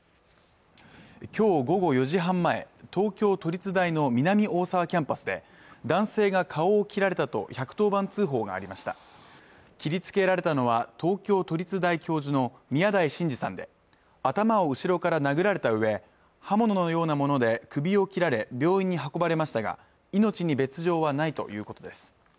今日午後４時半前東京都立大の南大沢キャンパスで男性が顔を切られたと１１０番通報がありました切りつけられたのは東京都立大教授の宮台真司さんで頭を後ろから殴られたうえ刃物のようなもので首を切られ病院に運ばれましたが命に別状はないということです